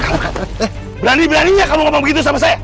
eh berani beraninya kamu ngomong begitu sama saya